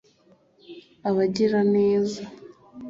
abagiraneza